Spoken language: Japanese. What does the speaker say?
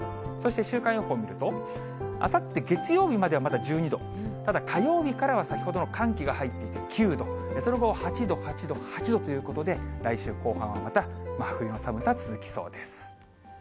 そして週間予報見ると、あさって月曜日まではまだ１２度、ただ、火曜日からは先ほどの寒気が入ってきて９度、その後、８度、８度、８度ということで、来週後半はまた真冬の寒さ、続きそうです。